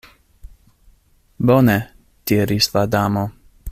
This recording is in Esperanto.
"Bone," diris la Damo.